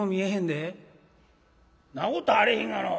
「んなことあれへんがなお前。